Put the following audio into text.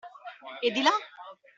E di là?